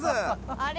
あれ？